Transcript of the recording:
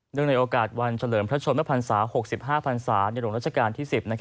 เนื่องในโอกาสวันเวลาเฉริย์พระชมภรรษา๖๕ภรษาในโรงราชกาลที่๑๐